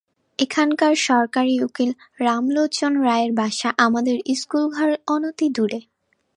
এখানকার সরকারি উকিল রামলোচন রায়ের বাসা আমাদের স্কুলঘরের অনতিদূরে।